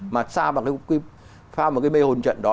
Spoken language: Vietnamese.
mà xa vào một cái mê hồn trận đó